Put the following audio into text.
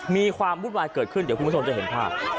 มีความวุ่นวายเกิดขึ้นเดี๋ยวคุณผู้ชมจะเห็นภาพ